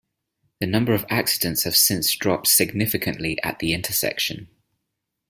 The number of accidents have since dropped significantly at the intersection.